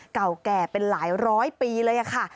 เก่าแก่เป็นหลายร้อยปีเลยค่ะ